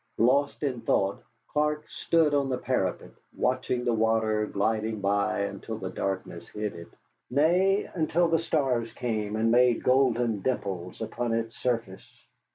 Lost in thought, Clark stood on the parapet, watching the water gliding by until the darkness hid it, nay, until the stars came and made golden dimples upon its surface.